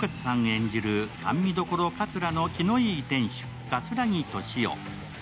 演じる甘味処「かつら」の気のいい店主、桂木敏夫。